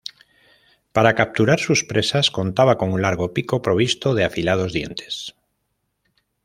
Para capturar sus presas contaba con un largo pico provisto de afilados dientes.